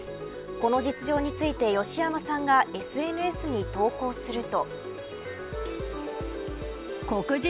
この実情について義山さんがＳＮＳに投稿すると。